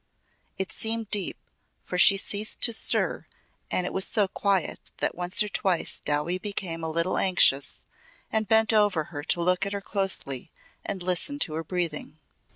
It seemed deep, for she ceased to stir and it was so quiet that once or twice Dowie became a little anxious and bent over her to look at her closely and listen to her breathing.